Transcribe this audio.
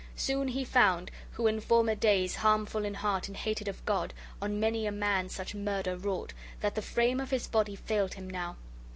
Soon he found, who in former days, harmful in heart and hated of God, on many a man such murder wrought, that the frame of his body failed him now.